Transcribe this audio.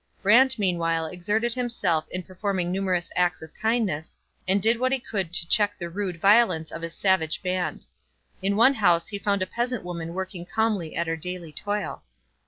Brant meanwhile exerted himself in performing numerous acts of kindness, and did what he could to check the rude violence of his savage band. In one house he found a peasant woman working calmly at her daily toil.